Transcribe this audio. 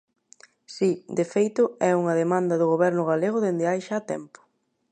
Si, de feito é unha demanda do Goberno galego dende hai xa tempo.